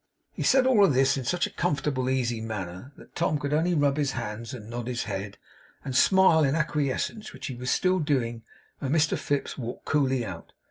He said all this in such a comfortable, easy manner, that Tom could only rub his hands, and nod his head, and smile in acquiescence which he was still doing, when Mr Fips walked coolly out.